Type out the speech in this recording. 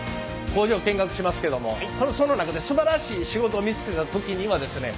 工場を見学しますけどもその中ですばらしい仕事を見つけた時にはですね